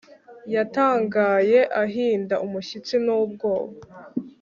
yatangaye, ahinda umushyitsi n'ubwoba